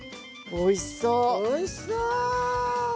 おいしそう！